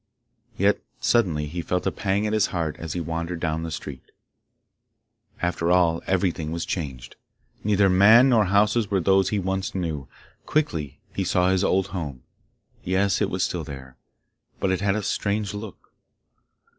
Yet suddenly he felt a pang at his heart as he wandered down the street. After all, everything was changed. Neither men nor houses were those he once knew. Quickly he saw his old home; yes, it was still there, but it had a strange look.